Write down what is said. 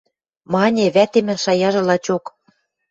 – Мане, вӓтемӹн шаяжы лачок.